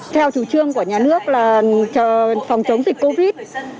theo chủ trương của nhà nước là phòng chống dịch covid